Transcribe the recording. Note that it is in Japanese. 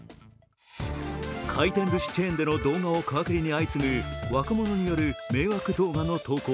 回転ずしチェーンでの動画を皮切りに相次ぐ若者による迷惑動画の投稿。